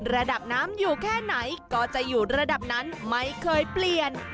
ระดับน้ำอยู่แค่ไหนก็จะอยู่ระดับนั้นไม่เคยเปลี่ยน